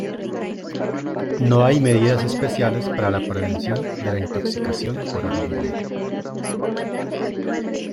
No hay medidas especiales para la prevención de la intoxicación por aluminio.